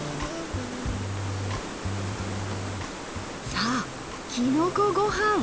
さあきのこごはん！